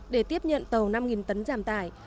để tiếp nhận tàu năm tấn giảm tải